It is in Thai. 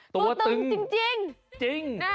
ตัวตึงจริง